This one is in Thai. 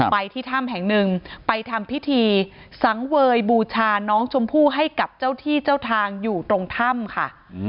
ไปที่ถ้ำแห่งหนึ่งไปทำพิธีสังเวยบูชาน้องชมพู่ให้กับเจ้าที่เจ้าทางอยู่ตรงถ้ำค่ะ